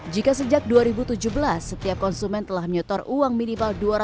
jika sejak dua ribu tujuh belas setiap konsumen telah menyotor uang minimal dua ratus juta rupiah